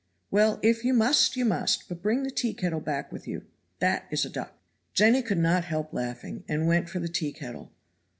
"Well, if you must! you must! but bring the tea kettle back with you. That is a duck!" Jenny could not help laughing, and went for the tea kettle.